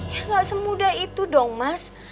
ya gak semudah itu dong mas